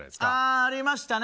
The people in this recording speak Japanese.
ありましたね。